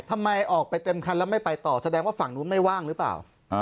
ทำไมออกไปเต็มคันแล้วไม่ไปต่อแสดงว่าฝั่งนู้นไม่ว่างหรือเปล่า